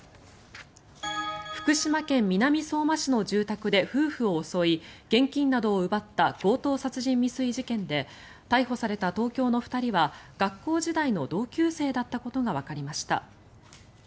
福島県南相馬市の住宅で夫婦を襲い、現金などを奪った強盗殺人未遂事件で逮捕された東京の２人は学校時代の同級生だったことがわかりました。